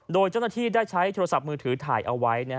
โดยเจ้าหน้าที่ได้ใช้โทรศัพท์มือถือถ่ายเอาไว้